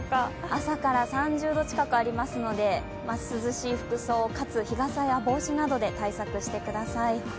朝から３０度近くありますので涼しい服装、かつ日傘や帽子などで対策してください。